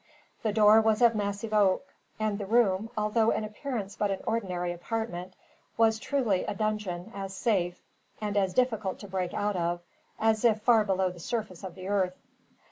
The door was of massive oak; and the room, although in appearance but an ordinary apartment, was truly a dungeon as safe, and as difficult to break out of, as if far below the surface of the earth.